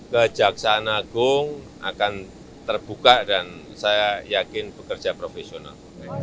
kejaksaan agung akan terbuka dan saya yakin bekerja profesional